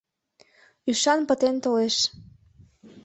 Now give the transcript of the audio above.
Ӱшан пытен толеш...